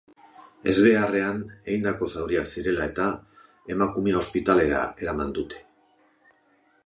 Ezbeharrean egindako zauriak zirela eta emakumea ospitalera eraman dute.